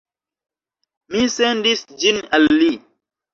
Mi sendis ĝin al li